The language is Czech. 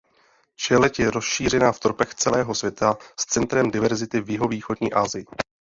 Čeleď je rozšířena v tropech celého světa s centrem diverzity v jihovýchodní Asii.